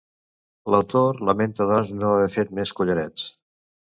L'autor lamenta doncs no haver fet més collarets